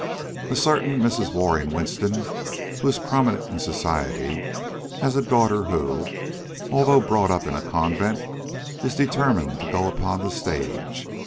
"A certain Mrs. Waring Winston, who is prominent in society, has a daughter who, although brought up in a convent, is determined to go upon the stage.